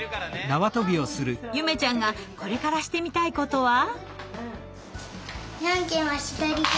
ゆめちゃんがこれからしてみたいことは？